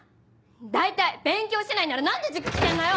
大体勉強しないなら何で塾来てんのよ！